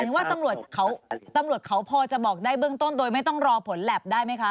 ว่าตำรวจเขาพอจะบอกได้เบื้องต้นโดยไม่ต้องรอผลแล็บได้ไหมคะ